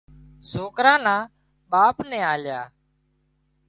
سوڪرا نا ٻاپ نين آليا